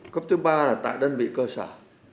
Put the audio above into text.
cấp thứ ba là tại đơn vị cơ sở